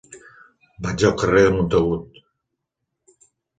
Vaig al carrer de Montagut.